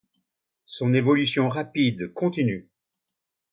Son évolution rapide continue.